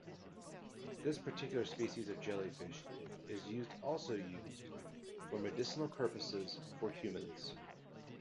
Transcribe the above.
This particular species of jellyfish is used also used for medicinal purposes for humans.